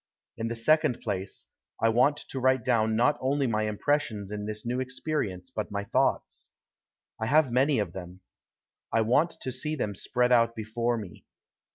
In the second place, I want to write down not only my impressions in this new experience, but my thoughts. I have many of them. I want to see them spread out before me.